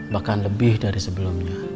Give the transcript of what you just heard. bahkan lebih dari sebelumnya